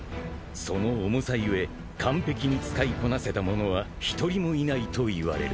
［その重さ故完璧に使いこなせた者は一人もいないといわれる］